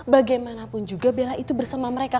bagaimanapun juga bela itu bersama mereka